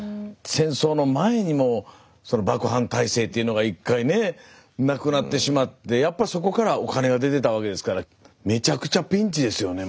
戦争の前にも幕藩体制というのが１回ねなくなってしまってやっぱそこからお金が出てたわけですからめちゃくちゃピンチですよね